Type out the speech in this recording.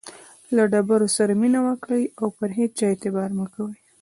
له ډېرو سره مینه وکړئ، او پر هيچا اعتبار مه کوئ!